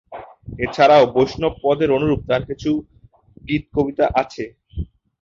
এ ছাড়াও বৈষ্ণবপদের অনুরূপ তাঁর কিছু গীতিকবিতা আছে।